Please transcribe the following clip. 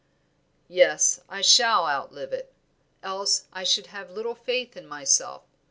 "Yes, I shall outlive it, else I should have little faith in myself.